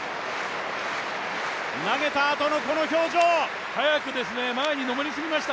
投げたあとのこの表情、速く前に上りすぎました